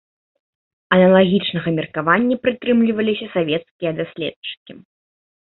Аналагічнага меркавання прытрымліваліся савецкія даследчыкі.